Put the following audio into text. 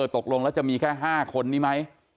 ตกลงแล้วจะมีแค่๕คนดูมั้ย